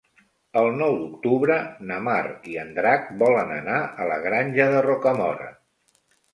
El nou d'octubre na Mar i en Drac volen anar a la Granja de Rocamora.